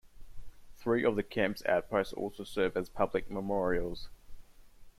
Three of the camp's outposts also serve as public memorials.